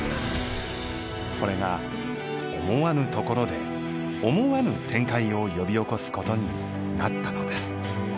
これが思わぬところで思わぬ展開を呼び起こすことになったのです。